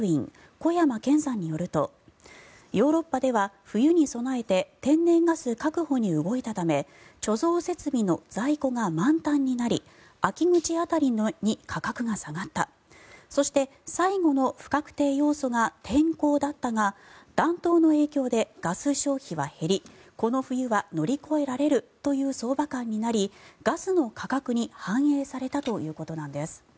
小山堅さんによるとヨーロッパでは冬に備えて天然ガス確保に動いたため貯蔵設備の在庫が満タンになり秋口辺りに価格が下がったそして、最後の不確定要素が天候だったが暖冬の影響でガス消費は減りこの冬は乗り越えられるという相場観になりガスの価格に反映されたということなんです。